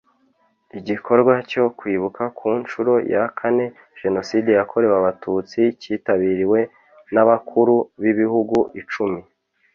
Igikorwa cyo kwibuka ku nshuro ya kane Jenoside yakorewe Abatutsi cyitabiriwe n’abakuru b’ibihugu icumi